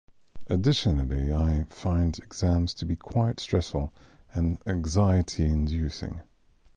Additionally, I find exams to be quite stressful and anxiety-inducing.